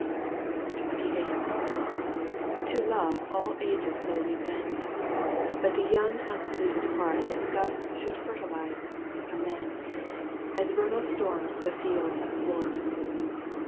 XXVIII. To Love all ages lowly bend. But the young unpolluted heart His gusts should fertilize, amend, As vernal storms the fields athwart.